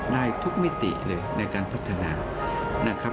ได้ทุกมิติเลยในการพัฒนานะครับ